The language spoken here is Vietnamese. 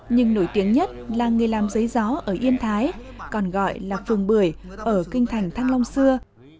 nhưng nổi tiếng nhất là nghề làm giấy gió ở yên thái còn gọi là phường bưởi ở kinh thành thăng long xưa